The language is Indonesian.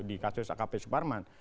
di kasus akp suparman